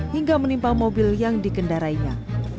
hingga menimpa mobil yang dikendarainya